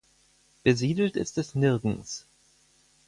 Besiedelt ist es nirgends.